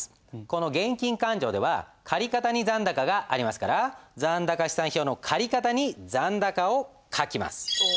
この現金勘定では借方に残高がありますから残高試算表の借方に残高を書きます。